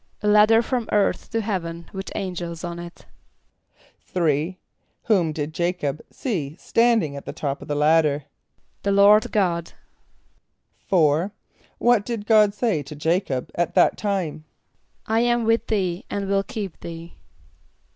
=A ladder from earth to heaven with angels on it.= =3.= Whom did J[=a]´cob see standing at the top of the ladder? =The Lord God.= =4.= What did God say to J[=a]´cob at that time? ="I am with thee and will keep thee."